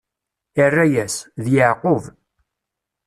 Irra-yas: D Yeɛqub.